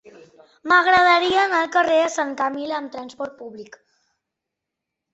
M'agradaria anar al carrer de Sant Camil amb trasport públic.